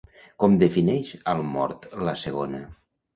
Com defineix al mort la segona?